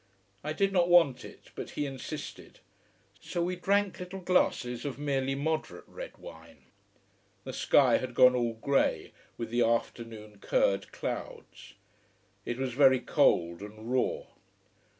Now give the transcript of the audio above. I did not want it, but he insisted. So we drank little glasses of merely moderate red wine. The sky had gone all grey with the afternoon curd clouds. It was very cold and raw.